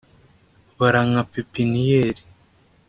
bara nka pepiniyeri